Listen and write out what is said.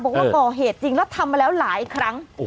บอกว่าก่อเหตุจริงแล้วทำมาแล้วหลายครั้ง